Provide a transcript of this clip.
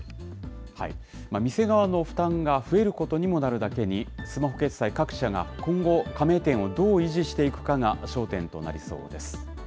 店側の負担が増えることにもなるだけに、スマホ決済各社が今後、加盟店をどう維持していくかが焦点となりそうです。